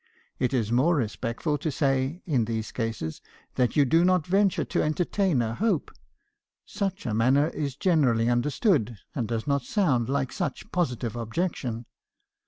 It is more respectful to say, in these cases, that you do not venture to entertain a hope; such a manner is generally understood, and does not sound like such positive objection.'